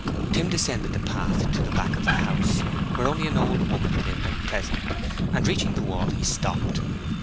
Tim descended the path to the back of the house, where only an old woman lived at present, and reaching the wall he stopped.